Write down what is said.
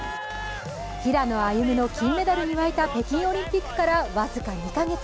平野歩夢の金メダルに沸いた北京オリンピックから僅か２カ月。